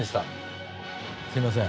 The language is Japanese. すいません。